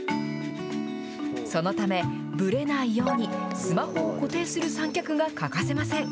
そのため、ぶれないように、スマホを固定する三脚が欠かせません。